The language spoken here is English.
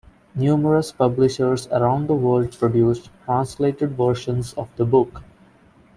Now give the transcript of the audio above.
Numerous publishers around the world produced translated versions of the book.